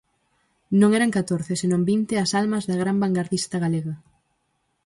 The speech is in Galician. Non eran catorce, senón vinte as almas da gran vangardista galega.